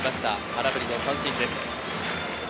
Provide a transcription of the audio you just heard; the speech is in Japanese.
空振りの三振です。